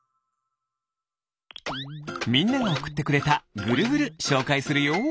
みんながおくってくれたぐるぐるしょうかいするよ。